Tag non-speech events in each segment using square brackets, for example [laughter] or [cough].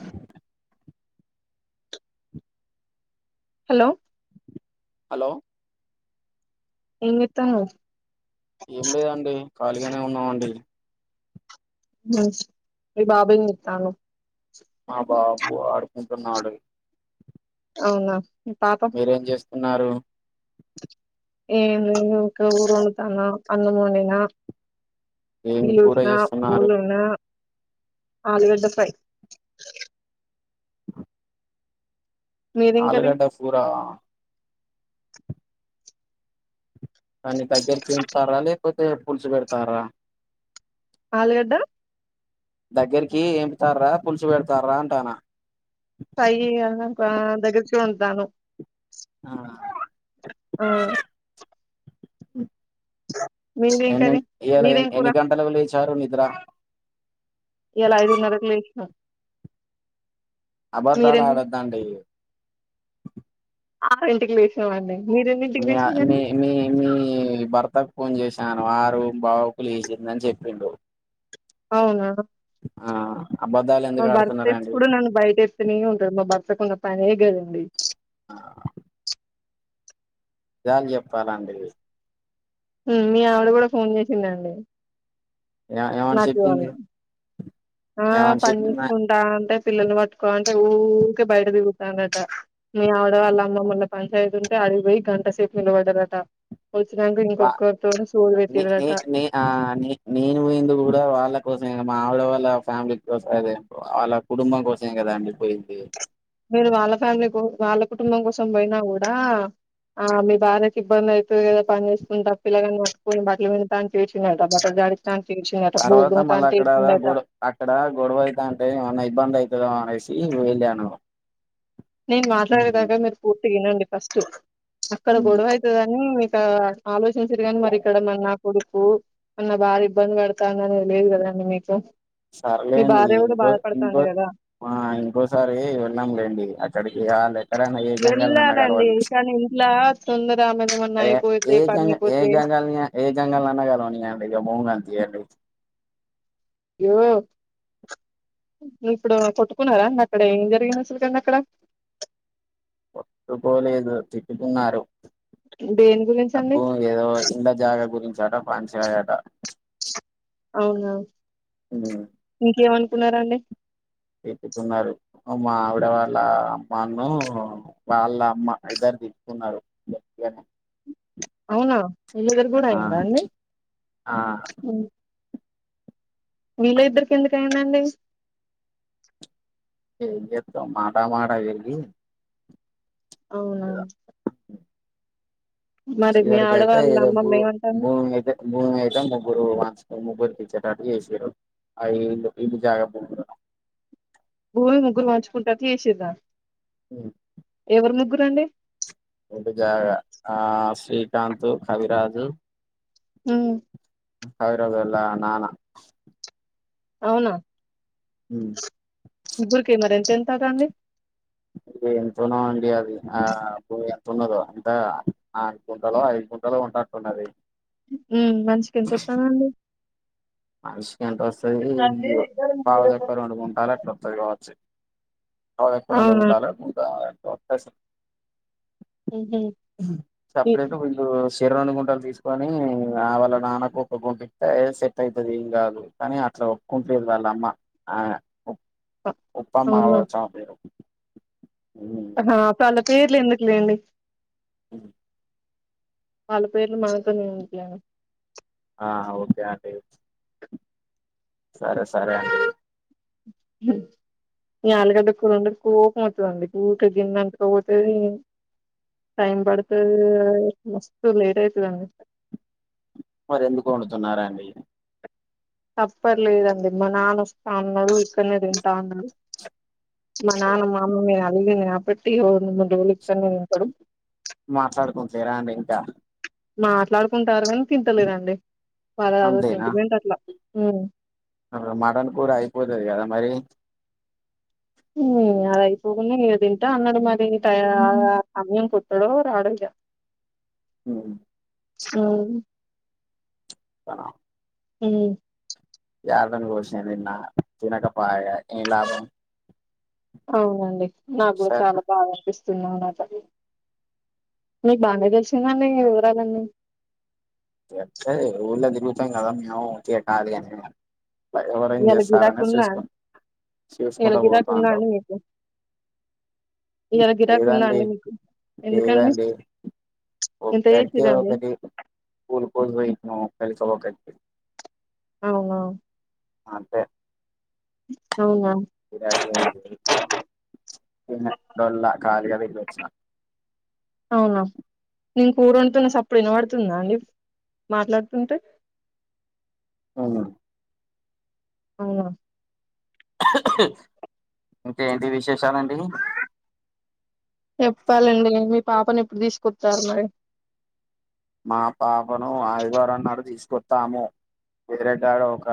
అ hello hello ఏం చేస్తున్నావు ఏం లేదండి ఖాళీగానే ఉన్నామ అండి మ్ మీ బాబుని చూస్తాను ఆ బాబ ఆడుకుంటన్నాడు అవునా పాపం ఉన్నారు ఏ ఇక కూర వండుతున్నా అన్నం వండినా ఏం కూర ఈరోచనా చేస్తున్నారు బోల్నా ఆలుగడ్డ ఫ్రై మీదేం కర్రీ ఆలుగడ్డ కూర కానీ దగ్గర తింటారా లేకపోతే పుల్చ పెడతారా ఆలుగడ్డ దగ్గరికి ఎంపుతార్రా పులుసు పెడతార్రా అంటాను ఫ్రై దగ ఎంతను ఆ, ఆ ఉ మీదేం ఎన్ని కర్రీ ఇయ్యాల మీదేం కూర ఎన్ని గంటల వె లే చారు అంద్ర ఇలాయిదు ఉన్నారకు లేచినం అబద్ధాలు ఆడద్దాండి ఆరు ఇంటికి లేసినమండి మియా మీ మీ మీ మీ భర్తకు ఫోన్ చేసాను వారు బావుకులుసిందని చెప్పిండు అవునా ఆ అబద్ధాలు మా ఎందుకు బర్తే ఆడుతున్నారండి ఎప్పుడు బయటర్తన ఉండ మా బర్ కున్న పని గ డి జాబ్ చెప్పాలలాంటి మీ ఆవిడ కూడా ఫోన్ చేసిందండి ఏ ఏమని నాకు ఇయ్యాల చెప్పింది ఆ ఏమని పన్న చెప్పిందా చేసుకుంటా ఉంటే పిల్లని పట్టుకో అంటే ఊరికే బయట దిగుతానట మీ ఆవిడ వాళ్ళ అమ్మమ్మల్ల పంచాయిత ఉంటే అది పోయి గంటసేపు నిలబడ్డారుట వచ్చినాక బా ఇంకొకరితో సోది ని ని పెట్టిరట ని అ నేను మీందు కూడా వాళ్ళ కోసం మా ఆవిడ వాళ్ళ ఫ్యామిలీ కోసం అదే వాళ్ళ కుటుంబం కోసమేం కదా అండిపోయింది మీరు వాళ్ళ ఫ్యామిలీ కో వాళ్ళ కుటుంబం కోసం పోయినా కూడా ఆ మీ బాధ్యకి ఇబ్బంది అయితుంది కదా పని చేస్తున్నంట తప్పిల్లగాని మట్కుని బట్టలు వితా అని చేసిన బట్ట జడి తర్వాత మళ్ళీ అక్కడ గొడ అక్కడ గొడవ అయిత అంటే ఏమన్నా ఇబ్బంది అయిత లేచి న మాట్లాడేదాగా మీరు పూర్తిగానాండి ఫస్ట్ అక్కడ ఉమ్. గొడవయతుదని ఆ ఆలోచించారుగానీ మరి ఇక్కడ మ కొడుకు మన్న బాగా ఇబ్బంది పెడతాందని తెలిదు కదండి మీకు మీ సరేలేండి భార్య కూడా ఇంకో బాధపడతాంది ఇంకో కదా ఆ ఇంకోసారి వెళ్ళాంలేండి కడికియాల సరే అన్న ఏ జంగాల్ నాన్న వెళ్ళాలండి గలవని కానీ ఇంట్లా తొందర ఆమెది ఏమన్నా అే అయిపోతే ఏ పని జ ఏ అయిపోతే గంగాల్ని ఏ గంగాల్న్న గలవనిండి ఇక భూంగంత తీయంండి అయ్యో ను్ ఇప్పుడు కొట్టుకున్నారా అక్కడ ఏం జరిగింది అసలు కండి అక్కడ ఒప్పు పోలే ఇదు తిట్ి తిన్నార దేని గురించి అండి అప్పు ఏదో ఎ జాగ గురించి ట పా చె హజట అవునా ఇంకేమన్నా పునరానే ఎప్పుతున్నారు మావిడ వాళ్ళ అమ్మను వాళ్ళ అమ్మ ఇద్దరు తీచ్చకున్నారుగానే అవునా వీళ్ళ దగ్గర కూడా అయి్యందా అండి ఆ మీళ్ళ ఇద్దరికి ఎందుకుయందండి ఏ ఎత్త మామా వెలి అవునా మరి మీ చివరికి అయితే ఆడవాళ్ళ ఏదో భూ అమ్మమ్మ ఏమంటాంది భూమి అయితే భూమి అయితే ముగ్గురు ముగ్గురికిచ్చేటటు చేసారు అ ఇ జాగా ప భూమి ముగ్గురు మంచుకుంటారు చేసేదా అ ఎవరు ముగ్గుర అండి ఎందుకా ఆ శ్రీకాంత్ కవిరాజు హ అవిరదలా నానా అవునా గుర్క మరింత ఎంతా కాండి ఇది ఎంతున అండి అది ఆ ఎంతన్నదో అంత ఆగు గుంటలు ఐదుగుంటలు ఉంటట్టున్నది ఉ మనిషికి ఎంత వస్తానండి అ ఎంట వస్తుది ఈ పావుదొక్క రెండు గుంటాలు అట్ కొత్తది కావచ్చు అ ఎక్కడడుండ అవునా ఉంటాలి అ స ఊహూ ఈ సపరేట్ వీళ్ళు శరను గుంటలు తీసుకొని నా వల్ నాన కూపకుంట్ అవుతుది ఏం కాదు కానీ అట్లా ఒప్పుకుంటది వాళ్ళ అమ్మ ఆ ఒప్పమా చరు ా చాల పేర్లు ఎందుకులేండి అ పలు పేరిలు మనక నేకయను ఆ ఓకే ఆటే సరే సరే ఈ ఆలుగడ్డ కూలుండ కోపం అవుతుందిండి ఊరిక గందంతకోపోతే టైం పడితే మస్తు లేట్ అయితుందండి మరి ఎందుకు వండుతున్నారాండి తప్పర్లేదండి మా నానస్తా ఉన్నాడు ఇక్కడనే తింటా ఉన్నాడు మా నాన మా అమ్మమే అదిగే పెట్టి జూలికి ఉప మాట్లాడుకుంటరా అండి ఇంకా మాట్లాడుకుంటారు తింటలేదండి బళ అదో అంతేనా సెంటిమెంట్ అట్లా అ మటన్ కూర అయిపోతుది కదా మరి అదయిపోకుడా ఏ తింటా అన్నాడు మరి సమయం కొ ఎడవ రా ఆడుకా అ స అ హ ారుదాని కోషంన్న తినకపాయలా అవునండి నాకు కూడా సార్ చాలా బాగా అనిపిస్తుంది వు మీకు బానే తెలిసిందండి వివరాలన్నీ స ఊర్ళ తరుగుతాం కదమ తటాది ఎవర ఏం ఇయాల గిరాకు చేస్తారని ఉందా చూసుకు ఇయాల చూసుకుంటా గిరాకు కూతా ఉందా అంటావు అండి మీకు ఇయాల గిరాకు ఉందా ఏదండి అండి మీకు ఎందుకండి ఏదండి ఇంత ఒకరికి చేసిరండి ఒకటి కూల్ కూ చక అవు అంతే అవునా డోల్లా కార్యాలో పెట్టొచ్చినా అవునా నేను కూరు వంతున్నా సప్పుడు వినబడుతుందా అండి మాట్లాడుతుంటే అవును అవునా ఇంకే ఏంటి విశేషాలండి చెప్పాలండి మీ పాపని ఎప్పుడు తీసుకొచ్చారు మరి మా పాపను ఆదివారం నాడు తీసు కొత్తాము వేరడ్డాడు ఒక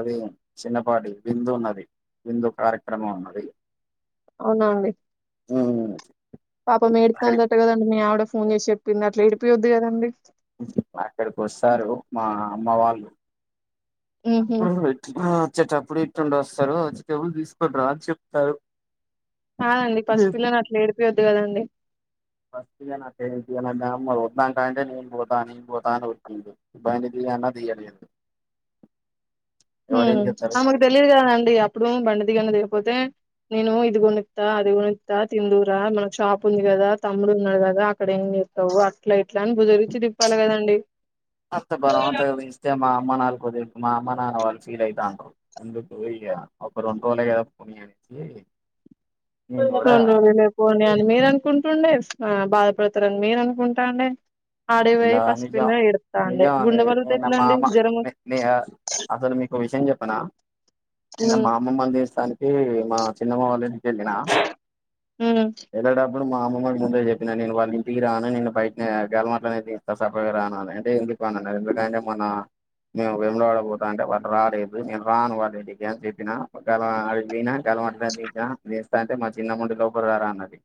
అది చిన్న బ విందు ఉన్నది విందు కార్యక్రమం ఉన్నది అవునా అండి ఆ పాప మేడతు అంతటటు కదండి మీ ఆవడ ఫోన్ చేసి చెప్పింది అట్లా ఏడిపోయద్దు కదండి అక్కడికి వస్తారు మా అమ్మ వాళ్ళు ఉహు ఆ వచ్చేటప్పుడు ఇట్టుండి వస్తారు వచ్చేటేబులు తీసుకుని రా అని చెప్తారు కాద అండి పసిపిల్లని అట్లా ఏడిపోయద్దు కదండి ఫస్ట్ అ ఒన్నాా కాాల నీన్ బా నన్ పోతాన ఒకదుబని తీయన్న తీయడదు ఆమెకు తెలియదు కదా అండి అప్పుడు బండది గణదేవ్ కపోతే నేను ఇది కొనుకుతా అది కొనుకుతా తిందురా మనకు షాప్ ఉంది కదా తమ్ముడు ఉన్నాడు కదా అక్కడ ఏం చెతావు అట్లా ఇట్లా అని బుజ మ బ అంత ఇస్తేమ్ మా అమ్మ నాలుకుద మా అమ్మ నాన్న వాళ్ళు ఫీల్ అయి తాండ్రు ఎందుకు ఇ ఒక రెండు రోజులు కదా పోని యానికి సండూవులే పోనియని మీరు అనుకుంటుండే ఆ బాధపడతారని మీరు అనుకుంటాండే ఆడికి ఇ పోయి నిజ పసిపిల్ల నిజ ఏడుత్తాండే గుండె పలిగితే నేను ఎట్లా అండి మామ జ్వరం వ అసలు మీకు విషయం చెప్పనా నిన్న హ్మ్ మామమ్మలకిన తీస్తాను ఏ మా చిన్నమాలని ఎల్లినా హ్మ్ ఎదడ ఇప్పు మా అమ్మ వాడి ముందే చెప్పినా నేను వాళ్ళ ఇంటికి రానని బయటలట్ నే ఇస్తా సగా రానుని అంటే ఎందుకునిన్నారు ఎందుకంటే మన మేము వెముడ పడపోతా అంటే వాళ్ళు రాలదు నేను రాను వాళు ఎకి అని చెప్పినా గ పోయినా కలంటసిన నే ఇస్తా అంటే మా చిన్న ముడి లోపల రాా అన్నది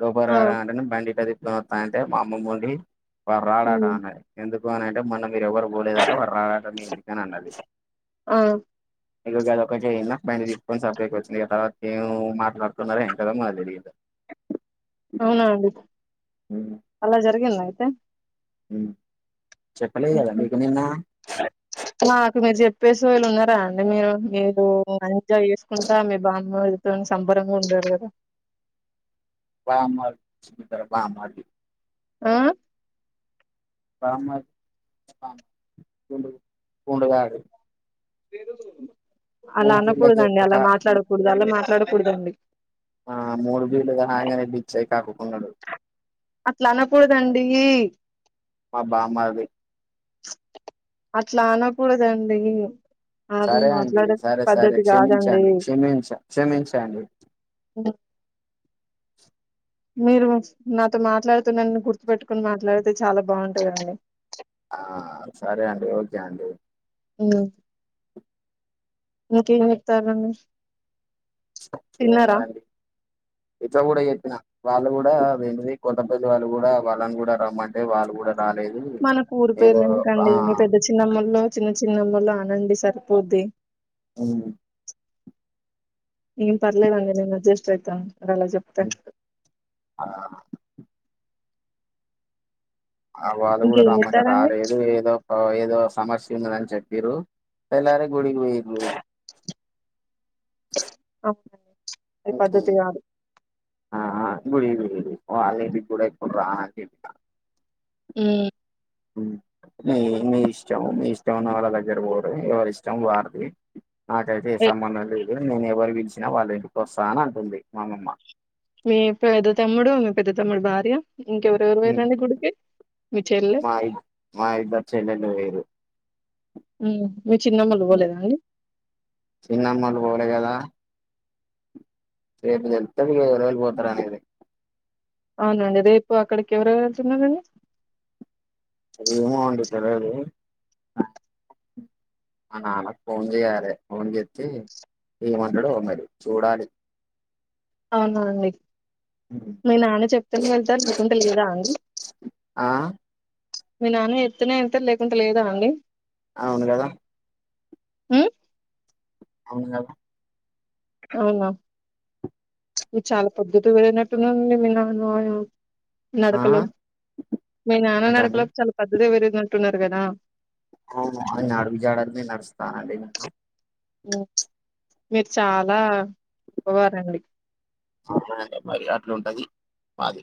రోబ ఆ రావే అంటే బండిఇటది దత్తయింట మా అమ్మమ్మ వాళ్ళది ప రాడాడా హ్మ్ అన్నయ్ ఎందుకు వానయటం మన్నక్ మీరేవరు పోలేదంట వాడు రాడంట మీ ఇంటికి అన్నాడు ఆ ఇంక గదొక్కటే ఇన్న పైన పీక్కొని సప్పుడేక వచ్చిన తర్వాత ఏం మాట్లాడుతున్నారో ఏం కదో మాకు తెలీదు అవునా అండి అలా జరిగింద టన్ ఉ కు మాకు మీరు చెప్తే చెప్పేసి వాళ్ళు ఉన్నారా అంటే మీరు మీరు ఎంజాయ్ చేసుకుంటా మీ బామ్మతో సంబరంగా ఉంటరు కదా బామ్మ [unintelligible] బామ్మ ఆ రామ [unintelligible] కూడుగారు [unintelligible] అలా అనకూడద బీర్లకే అండి ఒక అలా మాట్లాడకూడదు అలా మాట్లాడకూడదండి ఆ మూడు బీర్లు తాగంగనే డిచ్చై కక్కుకున్నాడు అట్లా అనకూడదండి మా బామ్మరిది అట్లానకూడదండి సరే అండి సరే సరే కాదండి క్షమించండి క్షమించ క్షమించండి హ్మ్. మీరు నాతో మాట్లాడుతూ నను గుర్తు పెట్టుకుని మాట్లాడితే చాలా బాగుంటుందండి ఆ సరే అండి ఓకే అండి ఇంక ఏమి ఇత్తారండీ ఇంకేమున్నదండి ఇట్లా కూడా చెప్పిన వాళ్ళు కూడా వె కొత్త పెళ్లి వాళ్ళు కూడా వాళ్ళని కూడా రమ్మంటే వాళ్ళు కూడా రాలేదు మన ఊరు ఏదో పేర్ల ఆ ఎందుకండి మీ పెద్ద చిన్నమ్మల్లో చిన్న చిన్నమ్మల్లో అనండి సరిపోద్ది అవు ఏం పర్లేదండి నేను అడ్జస్ట్ అయితా అది అలా చెప్తే ఉమ్, ఆ ఆ వాళ్ళు కూడా ఇంకేం రమ్మంటారు చెప్తారండి రాలేదు ఏదో ఏదో సమస్య తిన్నదని చెప్పింరు తెల్లారే గుడికి పోయిర్రు అవు అది ఉహు. పద్ధతి కాదు ఆ ఆ గుడికి పోయిర్రు వాళ్ళింటికి కూడా ఎప్పుడు రానండి ఇంకా హ్మ్. మీ మీ ఇష్టం ఇష్టం మీ ఇష్టం ఉన్న వాళ్ళ దగ్గర పోవడం ఎవరి ఇష్టం వారిది నాకైతే ఏ సంబంధం లేదు నేను ఎవరు పిలిచినా వాళ్ళ ఇంటికోస్తా అని అంటుంది మా అమ్మమ్మ మీ పెద్ద తమ్ముడు మీ పెద్ద తమ్ముడు భార్య ఇంకెవరెవరు మ్ పోయిరండి గుడికి మీ చెల్లె మాయి మాయిద్దరు చెల్లెల్లు పోయిరు ఉ మీ చిన్నమ్మల్లు బోలేదా చిన్నమ్మలు పోలే కదా రేపు తెలుత్తది ఎవలెవలు పోతరనేది అవునండి రేపు అక్కడికి ఎవరు యెల్తున్నారంండి ఏమో అండి తెలీదు ఆల్ నాన్నకు ఫోన్ జేయాలే ఫోన్ చెప్పి ఏమంటడో మరి చూడాలి అవునా అండి హ్మ్. మీ నాన్న చెప్తేనే వెళ్తారు ముఖం తెలిదా అండి ఆ మీ నాన్న ఎత్తున్నా అంతే లేకుంట లేదా అండి అవును గదా ఉ అవునుగద అవునా మీరు చాలా పద్ధతి పెరిగినట్టున్నరండి మీ నాన్యం ఆ నడకలో మీ నాన్న అంటాండు నడకలో చాలా పెద్దది వరు టున్నారుర్గదా అవును ఆయన అడుగు జాడల్నే నడుస్తా అండి మీరుచ ఇప్పవార అండి అవును మరి అండి మాది అట్లా ఉంటది మాది